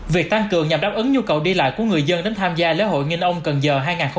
việc tăng cường nhằm đáp ứng nhu cầu đi lại của người dân đến tham gia lễ hội nghìn ông cần giờ hai nghìn hai mươi bốn